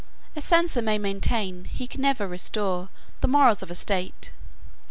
A censor may maintain, he can never restore, the morals of a state.